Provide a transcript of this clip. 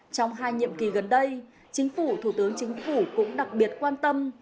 trong hai nhiệm kỳ gần đây chính phủ thủ tướng chính phủ cũng đặc biệt quan tâm